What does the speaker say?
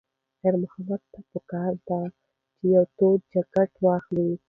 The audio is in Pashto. خیر محمد ته پکار ده چې یوه توده جاکټ واخلي.